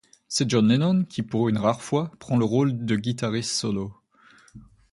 C'est John Lennon qui, pour une rare fois, prend le rôle de guitariste solo.